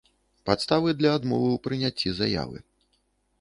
Падставы для адмовы ў прыняццi заявы